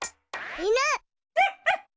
いぬ。